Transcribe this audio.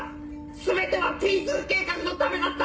全てはＰ２計画のためだったんだ！